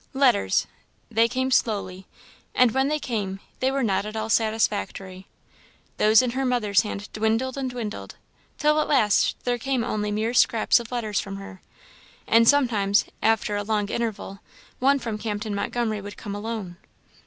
Letters they came slowly and when they came, they were not at all satisfactory. Those in her mother's hand dwindled and dwindled, till at last there came only mere scraps of letters from her; and sometimes, after a long interval, one from Captain Montgomery would come alone.